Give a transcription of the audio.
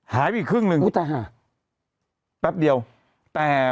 หายไปอีกครึ่งนึงแป๊บเดียวอุ๊ยแต่ฮะ